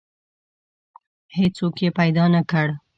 هیڅوک یې پیدا نه کړ.